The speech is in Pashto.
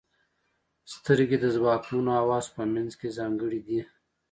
• سترګې د ځواکمنو حواسو په منځ کې ځانګړې دي.